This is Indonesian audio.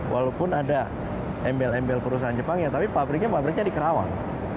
walaupun ada embel embel perusahaan jepang ya tapi pabriknya pabriknya di kerawang